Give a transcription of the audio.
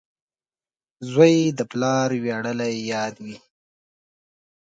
• زوی د پلار ویاړلی یاد وي.